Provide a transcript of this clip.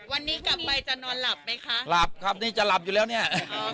วันนี้กลับไปจะนอนหลับไหมคะหลับครับนี่จะหลับอยู่แล้วเนี่ย